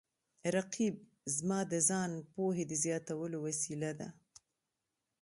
رقیب زما د ځان پوهې د زیاتولو وسیله ده